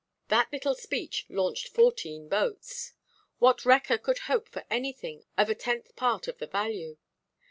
That little speech launched fourteen boats. What wrecker could hope for anything of a tenth part of the value?